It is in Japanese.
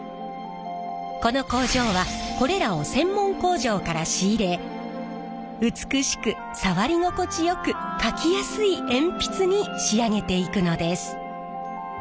この工場はこれらを専門工場から仕入れ美しく触り心地よく書きやすい鉛筆に仕上げていくのです。